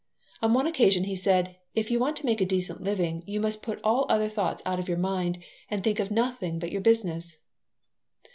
On one occasion he said: "If you want to make a decent living you must put all other thoughts out of your mind and think of nothing but your business."